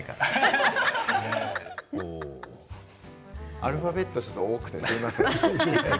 アルファベットが多くてすみません。